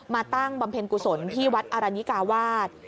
ตั้งบำเพ็ญกุศลที่วัดอรนิกาวาส